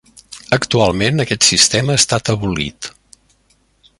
Actualment aquest sistema ha estat abolit.